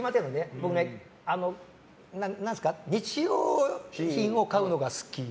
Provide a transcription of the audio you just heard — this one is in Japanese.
僕、日用品を買うのが好き。